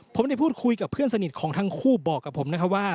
ผมได้พูดคุยกับเพื่อนสนิทของทั้งคู่บอกกับผมนะครับว่า